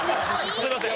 すみません。